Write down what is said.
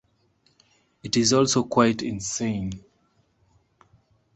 It is also quite insane.